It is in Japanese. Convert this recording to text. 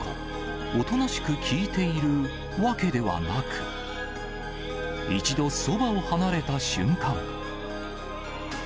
おとなしく聞いているわけではなく、一度そばを離れた瞬間。